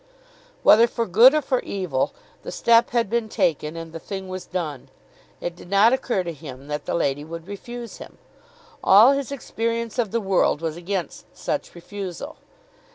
Whether for good or for evil, the step had been taken and the thing was done. It did not occur to him that the lady would refuse him. All his experience of the world was against such refusal.